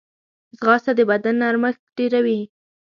ځغاسته د بدن نرمښت ډېروي